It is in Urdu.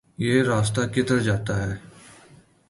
یہ راستہ کدھر جاتا ہے